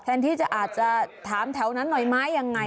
แทนที่จะอาจจะถามแถวนั้นหน่อยไหมยังไง